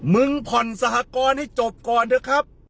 มึงผ่อนสหกรณ์ให้จบก่อนเถอะครับ